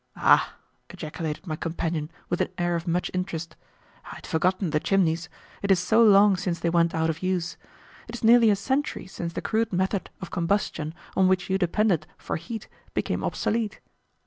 "Ah!" ejaculated my companion with an air of much interest, "I had forgotten the chimneys, it is so long since they went out of use. It is nearly a century since the crude method of combustion on which you depended for heat became obsolete."